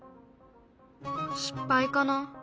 失敗かな。